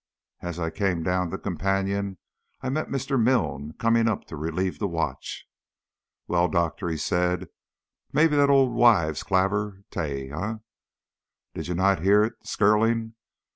As I came down the companion I met Mr. Milne coming up to relieve the watch. "Weel, Doctor," he said, "maybe that's auld wives' clavers tae? Did ye no hear it skirling?